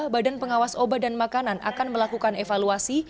badan pengawas obat dan makanan akan melakukan evaluasi